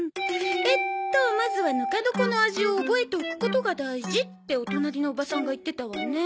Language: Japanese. えっとまずはぬか床の味を覚えておくことが大事ってお隣のおばさんが言ってたわね。